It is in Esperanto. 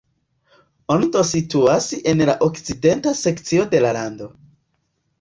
Ondo situas en la okcidenta sekcio de la lando.